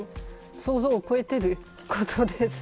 想像を超えていることです。